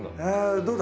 「どうだ？